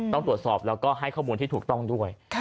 ต้องตรวจสอบแล้วก็ให้ข้อมูลที่ถูกต้องด้วย